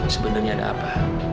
sebenernya ada apa